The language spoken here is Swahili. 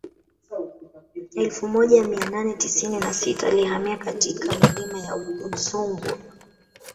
Elfu moja mia nane tisini na sita alihamia katika milima ya Udzungwa